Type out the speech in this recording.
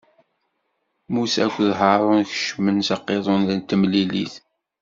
Musa akked Haṛun kecmen s aqiḍun n temlilit.